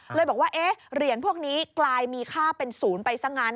เลยบอกว่าเหรียญพวกนี้กลายมีค่าเป็น๐ไปซักงั้น